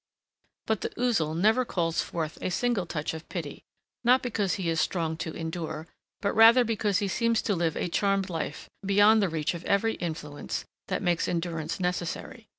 But the Ouzel never calls forth a single touch of pity; not because he is strong to endure, but rather because he seems to live a charmed life beyond the reach of every influence that makes endurance necessary.